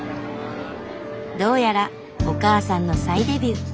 どうやらお母さんの再デビュー